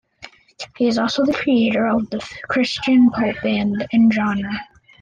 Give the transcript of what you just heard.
He is also creator of the Christian Pulp brand and genre.